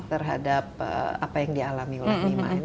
terhadap apa yang dialami oleh mima